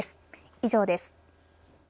以上です。